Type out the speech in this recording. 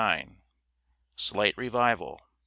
Slight revival.